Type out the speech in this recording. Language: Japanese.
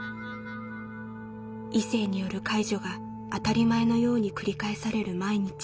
異性による介助が当たり前のように繰り返される毎日。